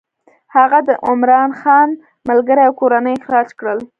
هغه د عمرا خان ملګري او کورنۍ اخراج کړل.